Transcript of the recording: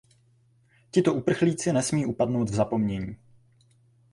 Tito uprchlíci nesmí upadnout v zapomnění.